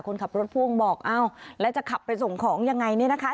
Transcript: คนขับรถพ่วงบอกอ้าวแล้วจะขับไปส่งของยังไงเนี่ยนะคะ